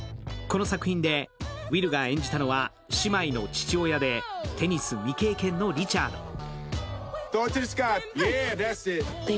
この作品でウィルが演じたのは姉妹の父親で、テニス未経験のリチャード。